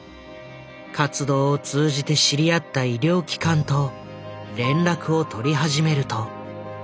活動を通じて知り合った医療機関と連絡を取り始めると。